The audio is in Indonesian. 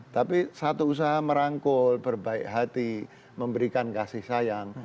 tapi satu usaha merangkul berbaik hati memberikan kasih sayang